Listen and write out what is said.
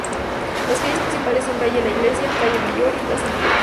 Las calles principales son Calle La Iglesia, Calle Mayor y Plaza Mayor.